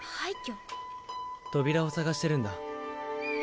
扉を探してるんだ。